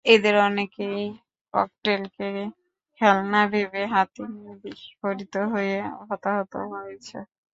এদের অনেকেই ককটেলকে খেলনা ভেবে হাতে নিয়ে বিস্ফোরিত হয়ে হতাহত হয়েছে।